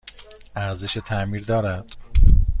ارزش تعمیر دارد؟